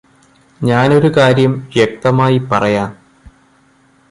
ഞാനൊരു കാര്യം വ്യക്തമായി പറയാം